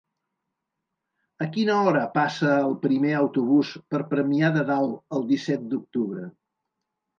A quina hora passa el primer autobús per Premià de Dalt el disset d'octubre?